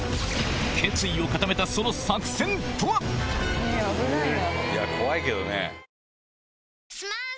決意を固めた危ないな。